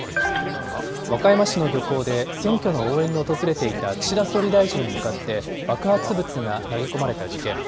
和歌山市の漁港で選挙の応援に訪れていた岸田総理大臣に向かって、爆発物が投げ込まれた事件。